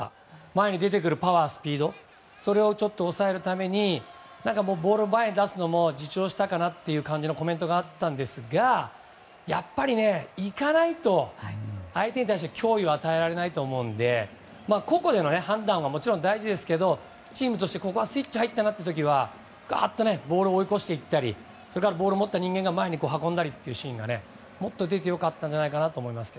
前に出てくるパワー、スピードそれをちょっと抑えるためにボールを前に出すのも自重したかなというコメントがあったんですがやっぱりいかないと相手に対して脅威を与えられないと思うので個々での判断はもちろん大事ですけどチームとしてここはスイッチが入ったなという時はガッとボールを追い越していったりボールを持った人間が前に運ぶシーンがもっと出てよかったんじゃないかと思います。